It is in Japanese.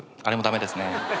あれも駄目ですね。